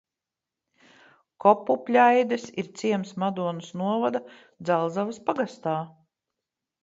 Kopupļaides ir ciems Madonas novada Dzelzavas pagastā.